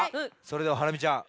それではハラミちゃん